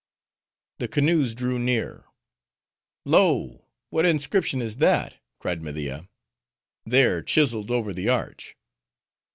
The canoes drew near. "Lo! what inscription is that?" cried Media, "there, chiseled over the arch?"